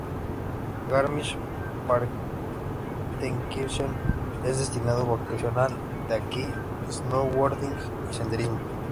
Garmisch-Partenkirchen es destino vacacional de esquí, snowboarding y senderismo.